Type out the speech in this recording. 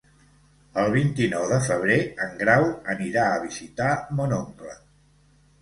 El vint-i-nou de febrer en Grau anirà a visitar mon oncle.